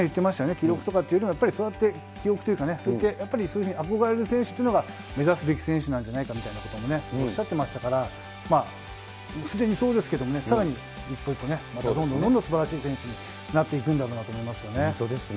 記録とかっていうよりも、やっぱり記憶とか、やっぱりそういうふうに憧れる選手というのが、目指すべき選手なんじゃないかみたいなこともね、おっしゃっていましたから、すでにそうですけど、さらにどんどんどんどんすばらしい選手になっていくんだろうなと本当ですね。